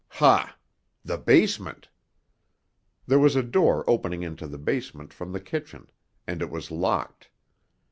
Ha! The basement!" There was a door opening into the basement from the kitchen, and it was locked.